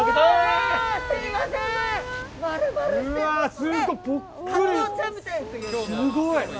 すごい！